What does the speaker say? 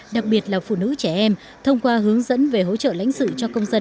đặc biệt là phụ nữ trẻ em thông qua hướng dẫn về hỗ trợ lãnh sự cho công dân